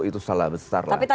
itu salah besar lah